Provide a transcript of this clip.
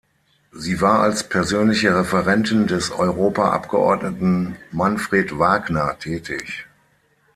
Sie war als persönliche Referentin des Europaabgeordneten Manfred Wagner tätig.